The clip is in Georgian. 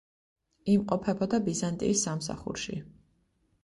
იმყოფებოდა ბიზანტიის სამსახურში.